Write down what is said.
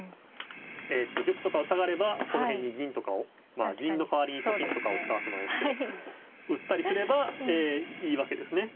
えっと玉とかを下がればこの辺に銀とかをまあ銀の代わりにと金とかを使わせてもらいますけど打ったりすればいいわけですね。